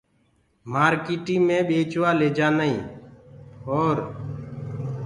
مارڪيٽي مي ٻيچوآ ليجآدآئين اور